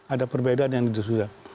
ada perbedaan yang disusulkan